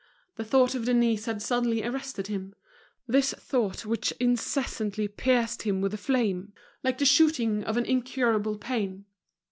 The thought of Denise had suddenly arrested him, this thought which incessantly pierced him with a flame, like the shooting of an incurable pain.